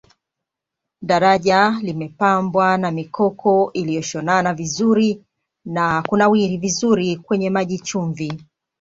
daraja limepambwa na mikoko iliyoshonana vizuri na kunawiri vizuri kwenye maji chumvi